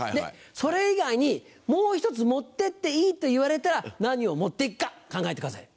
それ以外にもう１つ持って行っていいと言われたら何を持って行くか考えてください。